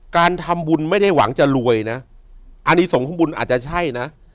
การทำบุญไม่ได้หวังจะรวยนะอันนี้สงคุบุญอาจจะใช่นะ